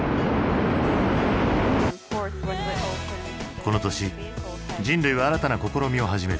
この年人類は新たな試みを始める。